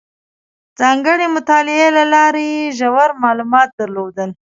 ځانګړې مطالعې له لارې یې ژور معلومات درلودل.